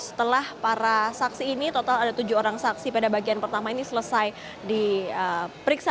setelah para saksi ini total ada tujuh orang saksi pada bagian pertama ini selesai diperiksa